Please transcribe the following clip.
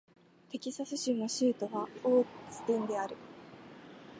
テキサス州の州都はオースティンである